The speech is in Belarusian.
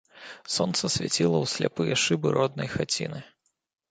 Сонца свяціла ў сляпыя шыбы роднай хаціны.